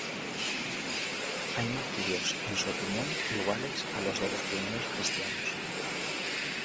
Hay martirios en su opinión iguales a los de los primeros cristianos.